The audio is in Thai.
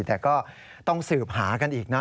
แต่ก็ต้องสืบหากันอีกนะ